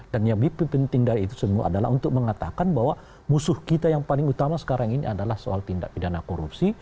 dan yang lebih penting dari itu semua adalah untuk mengatakan bahwa musuh kita yang paling utama sekarang ini adalah soal tindak pidana korupsi